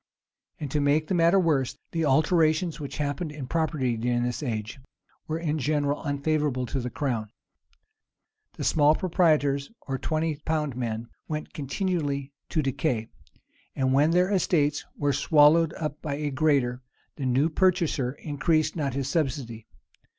And, to make the matter worse, the alterations which happened in property during this age, were in general unfavorable to the crown. The small proprietors, or twenty pound men, went continually to decay; and when their estates were swallowed up by a greater, the new purchaser increased not his subsidy.